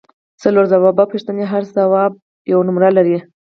څلور ځوابه پوښتنې هر سم ځواب یوه نمره لري